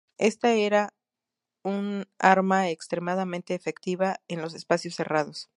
Esta era un arma extremadamente efectiva en los espacios cerrados.